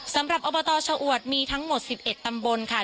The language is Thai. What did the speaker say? สำหรับอบตชะอวดมีทั้งหมด๑๑ตำบลค่ะ